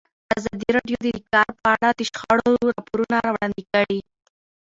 ازادي راډیو د د کار بازار په اړه د شخړو راپورونه وړاندې کړي.